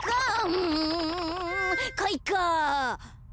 うんかいか！